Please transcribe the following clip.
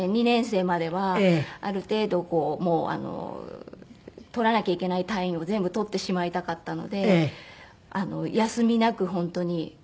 ２年生まではある程度もう取らなきゃいけない単位を全部取ってしまいたかったので休みなく本当に。